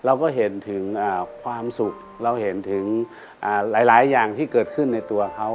เราก็เห็นถึงความสุขเราเห็นถึงหลายอย่างที่เกิดขึ้นในตัวเขา